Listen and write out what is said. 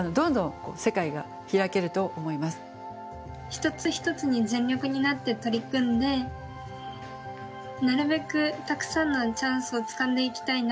一つ一つに全力になって取り組んでなるべくたくさんのチャンスをつかんでいきたいなと思います。